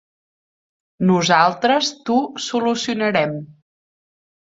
Nosaltres t'ho solucionarem.